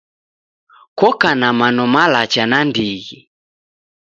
Kokana mano malacha nandighi.